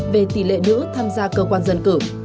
về tỷ lệ nữ tham gia cơ quan dân cử